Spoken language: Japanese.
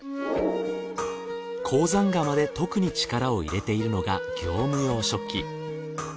向山窯で特に力を入れているのが業務用食器。